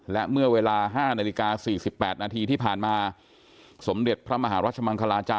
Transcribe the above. และเมื่อเวลา๕นาฬิกา๔๘นาทีที่ผ่านมาสมเด็จพระมหารัชมังคลาจา